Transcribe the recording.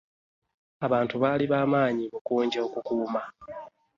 Abantu bali bamanyi bukunji okukuuma .